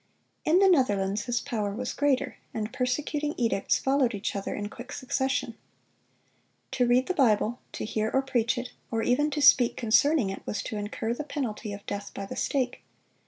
In the Netherlands his power was greater, and persecuting edicts followed each other in quick succession. To read the Bible, to hear or preach it, or even to speak concerning it, was to incur the penalty of death by the stake.